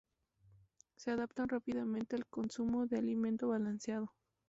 Se adaptan rápidamente al consumo de alimento balanceado.